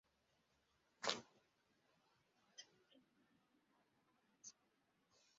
Tume hii ipo chini ya Ofisi ya Waziri Mkuu.